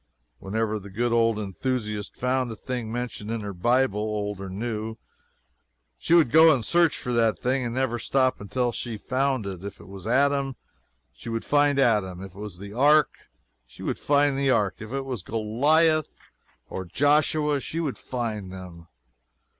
Whenever the good old enthusiast found a thing mentioned in her Bible, Old or New, she would go and search for that thing, and never stop until she found it. If it was Adam, she would find Adam; if it was the Ark, she would find the Ark; if it was Goliath, or Joshua, she would find them.